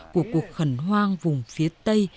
của cuộc khẩn hoang vùng phía tây